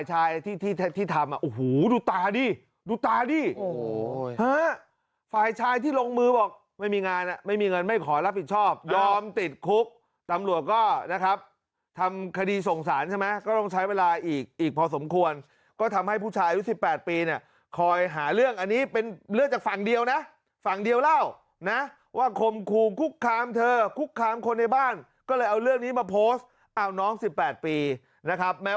ที่ที่ทำอ่ะโอ้โหดูตาดิดูตาดิโอ้โหฝ่ายชายที่ลงมือบอกไม่มีงานไม่มีเงินไม่ขอรับผิดชอบยอมติดคุกตำรวจก็นะครับทำคดีส่งสารใช่ไหมก็ต้องใช้เวลาอีกอีกพอสมควรก็ทำให้ผู้ชายอายุ๑๘ปีเนี่ยคอยหาเรื่องอันนี้เป็นเรื่องจากฝั่งเดียวนะฝั่งเดียวเล่านะว่าคมครูคุกคามเธอคุกคามคนในบ้านก็เลยเอาเรื่องนี้มาโพสต์อ้าวน้อง๑๘ปีนะครับแม้